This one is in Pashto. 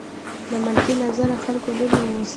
له منفي نظره خلکو لرې واوسه.